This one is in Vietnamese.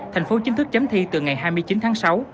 thành phố chính thức chấm thi từ ngày hai mươi chín tháng sáu